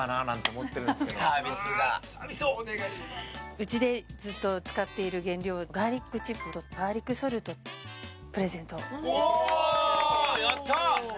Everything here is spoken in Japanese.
うちでずっと使っている原料ガーリックチップとガーリックソルトをやった！